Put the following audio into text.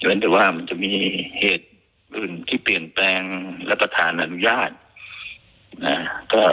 แต่ว่ามันจะมีเหตุอื่นที่เปลี่ยนแปลงรับประทานอนุญาต